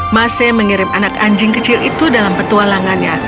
mas esan mengirim anak anjing kecil itu dalam petualangannya